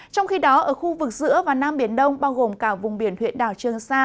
trong khi đó ở khu vực giữa và nam biển đông bao gồm cả vùng biển huyện đảo trương sa